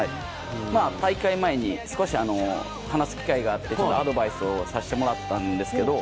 大会前に少し、話す機会があってアドバイスをさせてもらったんですけど。